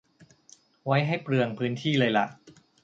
ไว้ให้เปลืองพื้นที่เลยล่ะ